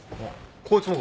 こいつもか？